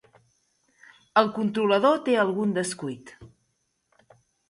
El controlador té algun descuit.